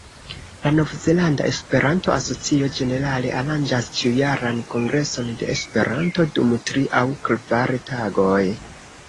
La Nov-Zelanda Esperanto-Asocio ĝenerale aranĝas ĉiujaran kongreson de Esperanto dum tri aŭ kvar tagoj.